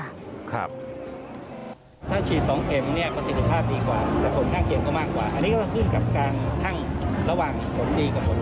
ถ้าฉีด๒เข็มประสิทธิภาพดีกว่าแต่ผลข้างเคียงก็มากกว่า